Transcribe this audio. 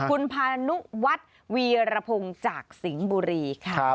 คุณพานุวัฒน์วีรพงศ์จากสิงห์บุรีค่ะ